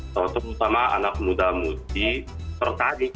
terutama anak muda mudi tertarik